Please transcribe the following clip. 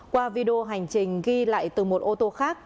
qua video hành trình ghi lại từ một ô tô khác